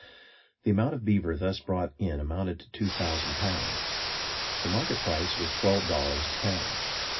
The amount of beaver thus brought in amounted to two thousand pounds. The market price was twelve dollars the pound.